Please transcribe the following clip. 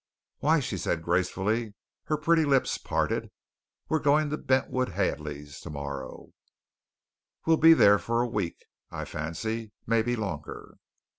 "Why," she said gracefully, her pretty lips parted, "we're going to Bentwood Hadley's tomorrow. We'll be there for a week, I fancy. Maybe longer."